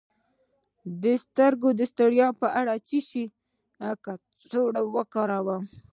د سترګو د ستړیا لپاره د څه شي کڅوړه وکاروم؟